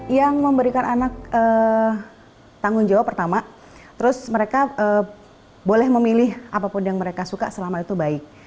yang memberikan anak tanggung jawab pertama terus mereka boleh memilih apapun yang mereka suka selama itu baik